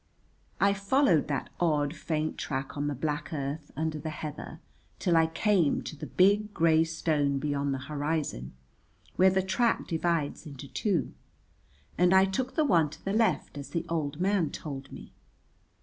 I followed that odd, faint track on the black earth under the heather till I came to the big grey stone beyond the horizon, where the track divides into two, and I took the one to the left as the old man told me.